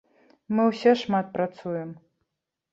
Мы ўсе шмат працуем.